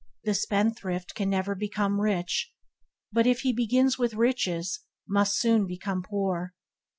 The spendthrift can never become rich, but if he begin with riches, must soon become poor.